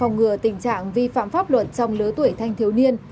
phòng ngừa tình trạng vi phạm pháp luật trong lứa tuổi thanh thiếu niên